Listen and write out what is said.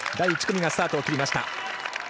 第１組がスタートを切った。